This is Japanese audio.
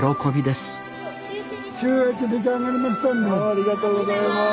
ありがとうございます。